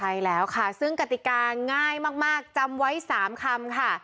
ใช่แล้วค่ะซึ่งกติกาง่ายมากจำไว้๓คำค่ะ